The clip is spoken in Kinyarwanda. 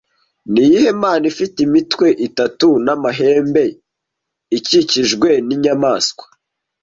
Niyihe Mana ifite imitwe itatu namahembe, ikikijwe ninyamaswa